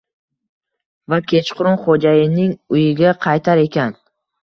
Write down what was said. Va kechqurun xoʻjayinining uyiga qaytar ekan.